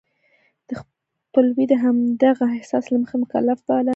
د خپلوی د همدغه احساس له مخې مکلف باله.